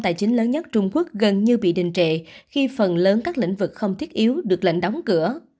tài chính lớn nhất trung quốc gần như bị đình trệ khi phần lớn các lĩnh vực không thiết yếu được lệnh đóng cửa